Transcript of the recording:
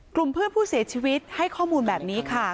กลุ่มเพื่อนผู้เสียชีวิตให้ข้อมูลแบบนี้ค่ะ